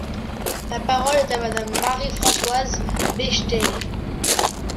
La parole est à Madame Marie-Françoise Bechtel.